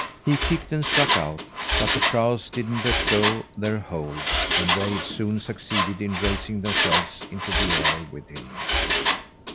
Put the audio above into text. He kicked and struck out, but the crows didn't let go their hold, and they soon succeeded in raising themselves into the air with him.